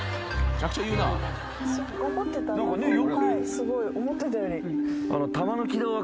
すごい思ってたより。